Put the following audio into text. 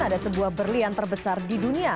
ada sebuah berlian terbesar di dunia